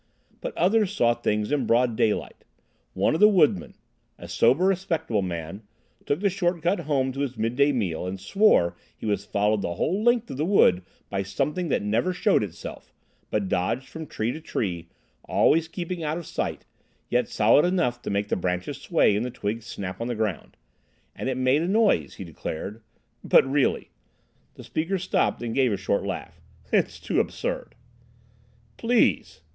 But others saw things in broad daylight. One of the woodmen, a sober, respectable man, took the shortcut home to his midday meal, and swore he was followed the whole length of the wood by something that never showed itself, but dodged from tree to tree, always keeping out of sight, yet solid enough to make the branches sway and the twigs snap on the ground. And it made a noise, he declared—but really"—the speaker stopped and gave a short laugh—"it's too absurd—" "_Please!